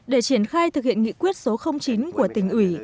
để triển khai thực hiện nghị quyết số chín của tỉnh ủy